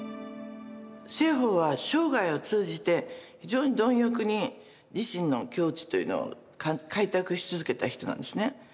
栖鳳は生涯を通じて非常に貪欲に自身の境地というのを開拓し続けた人なんですね。